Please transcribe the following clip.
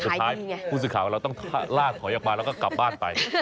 สุดท้ายพูดสิขายว่าเราต้องลากขออยักษ์มาแล้วก็กลับบ้านไป